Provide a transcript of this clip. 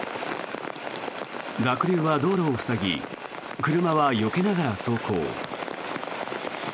濁流は道路を塞ぎ車はよけながら走行。